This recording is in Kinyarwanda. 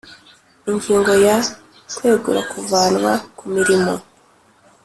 Ingingo ya Kwegura kuvanwa ku mirimo